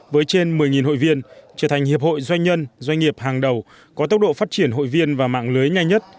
với trên một mươi hội viên trở thành hiệp hội doanh nhân doanh nghiệp hàng đầu có tốc độ phát triển hội viên và mạng lưới nhanh nhất